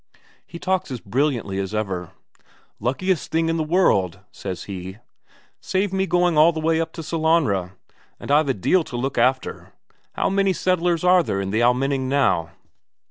He talks as brilliantly as ever. "Luckiest thing in the world," says he. "Save me going all the way up to Sellanraa; and I've a deal to look after. How many settlers are there in the Almenning now?"